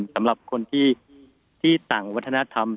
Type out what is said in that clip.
สำหรับคนที่ต่างวัฒนธรรม